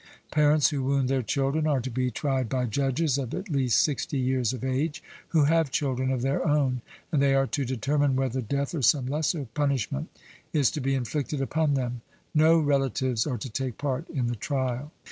Parents who wound their children are to be tried by judges of at least sixty years of age, who have children of their own; and they are to determine whether death, or some lesser punishment, is to be inflicted upon them no relatives are to take part in the trial.